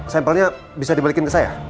sampelnya bisa dibalikin ke saya